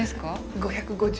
５５０円。